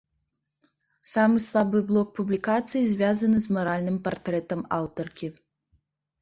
Самы слабы блок публікацыі звязаны з маральным партрэтам аўтаркі.